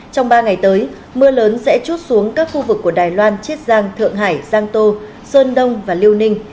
trong ba ngày tới mưa lớn sẽ chút xuống các khu vực của đài loan chiết giang thượng hải giang tô sơn đông và liêu ninh